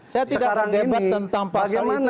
saya tidak berdebat tentang pasal itu dengan anda